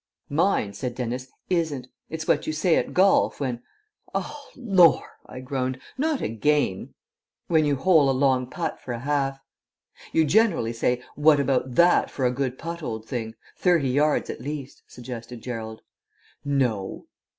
'" "Mine," said Dennis, "isn't. It's what you say at golf when " "Oh lor!" I groaned. "Not again." "When you hole a long putt for a half." "You generally say, 'What about that for a good putt, old thing? Thirty yards at least,'" suggested Gerald. "No."